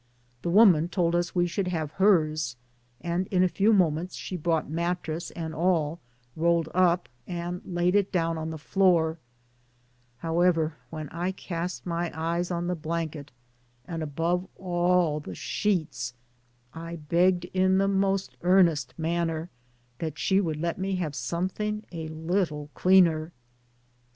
The woman told us we should have hers, and in a few moments she brought mattress and all rolled up, and laid them down on the floor ; however, when I cast my eyes on the blanket, and above all the sheets, I begged, in the most earnest manner, that she would let me have something a little cleaner.